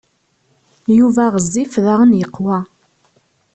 Yuba ɣezzif daɣen yeqwa.